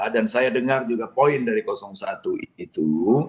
dan saya dengar juga poin dari satu itu